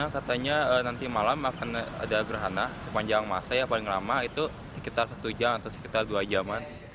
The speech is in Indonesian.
katanya nanti malam akan ada gerhana sepanjang masa ya paling lama itu sekitar satu jam atau sekitar dua jaman